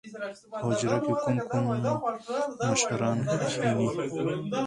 په حجره کښې کوم کوم مشران کښېني؟